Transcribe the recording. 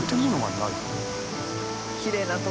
きれいな所。